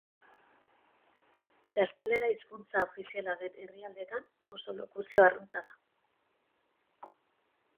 Gaztelera hizkuntza ofiziala den herrialdeetan oso lokuzio arrunta da.